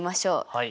はい。